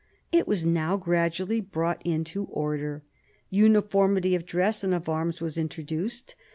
It was now gradually brought into order. Uniformity of dress and of arms was introduced.